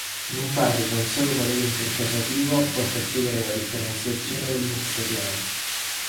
Non pare che un solo modello interpretativo possa spiegare la differenziazione del Musteriano.